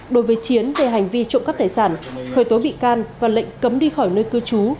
đối với chiến về hành vi trộm cắp tài sản khởi tố bị can và lệnh cấm đi khỏi nơi cư trú